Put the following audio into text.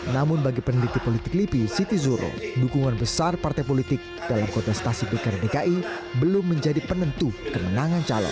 namun bagi peneliti politik lipi siti zuro dukungan besar partai politik dalam kontestasi pilkada dki belum menjadi penentu kemenangan calon